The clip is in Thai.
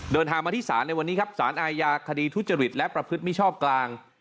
เดินทางมาที่ศาลในวันนี้ครับสารอาญาคดีทุจริตและประพฤติมิชอบกลาง